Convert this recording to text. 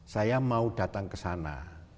saya mau datang ke sana